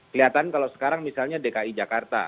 kelihatan kalau sekarang misalnya dki jakarta